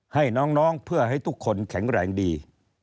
ให้น้องเพื่อให้ทุกคนแข็งแรงดี